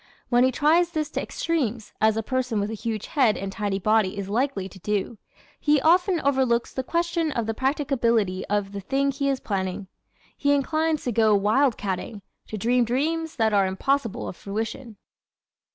When he carries this to extremes as the person with a huge head and tiny body is likely to do he often overlooks the question of the practicability of the thing he is planning. He inclines to go "wild catting," to dream dreams that are impossible of fruition.